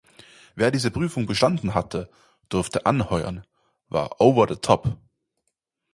Wer diese Prüfung bestanden hatte, durfte anheuern, war "over the top".